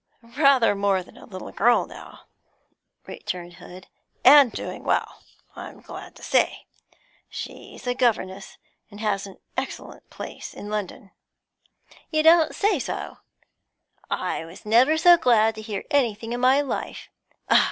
'Rather more than a little girl now,' returned Hood. 'And doing well, I'm glad to say. She's a governess; has an excellent place in London.' 'You don't say so? I never was so glad to hear anything in my life!